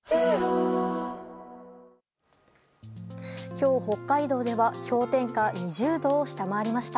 今日、北海道では氷点下２０度を下回りました。